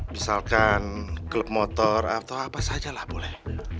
misalkan klub motor atau apa sajalah boleh